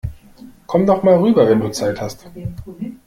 Komm doch mal rüber, wenn du Zeit hast!